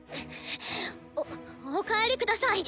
ぐっおっお帰りください。